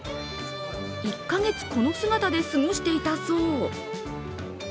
１か月この姿で過ごしていたそう。